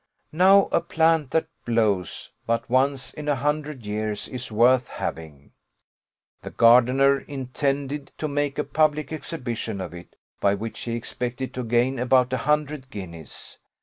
Now a plant that blows but once in a hundred years is worth having. The gardener intended to make a public exhibition of it, by which he expected to gain about a hundred guineas.